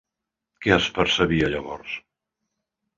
Què es percebia llavors?